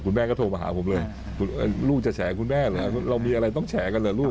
แม่ก็โทรมาหาผมเลยลูกจะแฉคุณแม่เหรอเรามีอะไรต้องแฉกันเหรอลูก